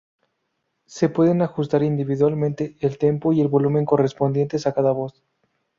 Se pueden ajustar individualmente el tempo y el volumen correspondientes a cada voz.